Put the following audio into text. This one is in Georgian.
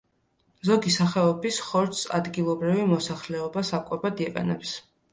ზოგი სახეობის ხორცს ადგილობრივი მოსახლეობა საკვებად იყენებს.